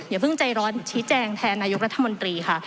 อย่าเพิ่งใจร้อนชี้แจงแทนนายกรัฐมนตรีค่ะ